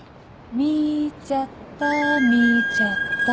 見ちゃった見ちゃった